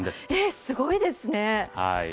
すごいですね。